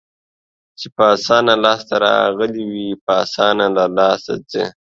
چې په اسانه لاس ته راغلي وي، په اسانه له لاسه ځي.